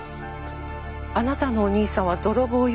「あなたのお義兄さんは泥棒よ。